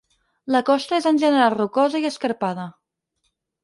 La costa és en general rocosa i escarpada.